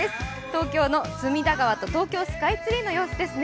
東京の隅田川と東京スカイツリーの様子です。